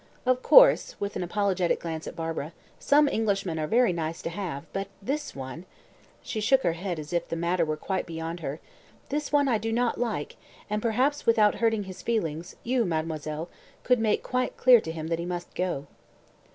Of course," with an apologetic glance at Barbara, "some Englishmen are very nice to have; but this one" she shook her head as if the matter were quite beyond her "this one I do not like, and perhaps without hurting his feelings, you, mademoiselle, could make quite clear to him that he must go."